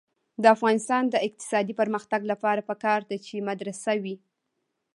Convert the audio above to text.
د افغانستان د اقتصادي پرمختګ لپاره پکار ده چې مدرسه وي.